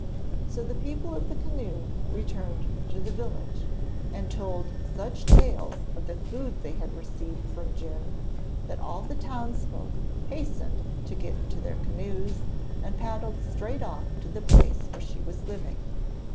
So the people of the canoe returned to the village, and told such tales of the food they had received from Djun that all the townsfolk hastened to get into their canoes and paddled straight off to the place where she was living.